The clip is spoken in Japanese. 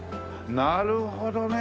なるほどね。